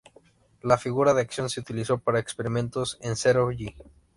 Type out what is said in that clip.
La figura de acción se utilizó para experimentos en cero-g.